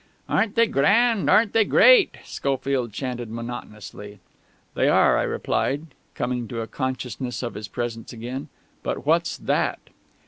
"Aren't they grand? Aren't they great?" Schofield chanted monotonously. "They are," I replied, coming to a consciousness of his presence again. "But what's that?"